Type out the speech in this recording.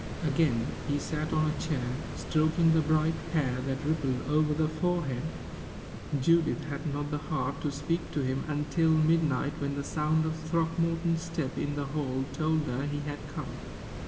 Again, he sat on a chair, stroking the bright hair that rippled over the forehead. Judith had not the heart to speak to him until midnight, when the sound of Throckmorton's step in the hall told her he had come.